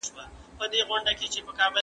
تاسو په محکمه کي د عدالت غوښتنه وکړه.